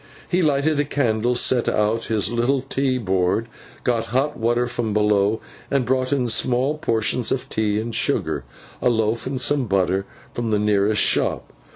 He lighted a candle, set out his little tea board, got hot water from below, and brought in small portions of tea and sugar, a loaf, and some butter from the nearest shop.